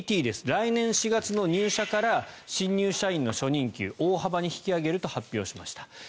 来年４月の入社から新入社員の初任給を大幅に引き上げると発表しました。